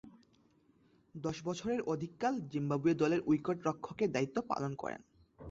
দশ বছরের অধিককাল জিম্বাবুয়ে দলের উইকেট-রক্ষকের দায়িত্ব পালন করেন।